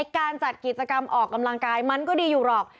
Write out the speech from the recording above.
การจัดกิจกรรมออกกำลังกายมันก็ดีอยู่หรอก